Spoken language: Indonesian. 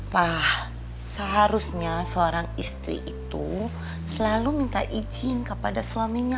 wah seharusnya seorang istri itu selalu minta izin kepada suaminya